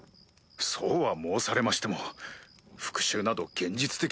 そうは申されましても復讐など現実的では。